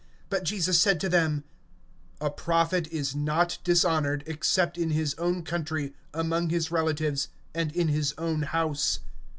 (4)And Jesus said to them: A prophet is not without honor, except in his own country, and among his own kindred, and in his own house.